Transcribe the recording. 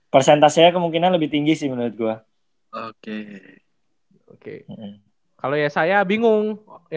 persentasenya kemungkinan lebih tinggi sih menurut gue